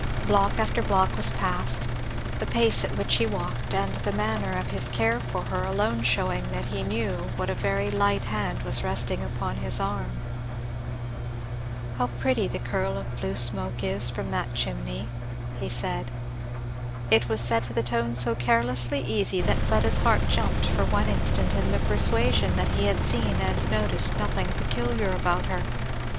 Block after block was passed, the pace at which he walked, and the manner of his care for her, alone shewing that he knew what a very light hand was resting upon his arm. "How pretty the curl of blue smoke is from that chimney," he said. It was said with a tone so carelessly easy that Fleda's heart jumped for one instant in the persuasion that he had seen and noticed nothing peculiar about her.